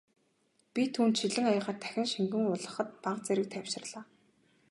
Би түүнд шилэн аягаар дахин шингэн уулгахад бага зэрэг тайвширлаа.